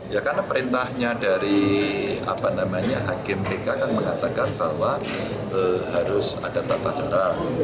ya karena perintahnya dari hakim pk kan mengatakan bahwa harus ada tata cara